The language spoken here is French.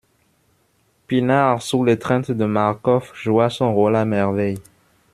Pinard, sous l'étreinte de Marcof, joua son rôle à merveille.